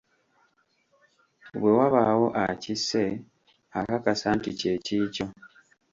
Bwe wabaawo akisse, akakasa nti; kye kikyo.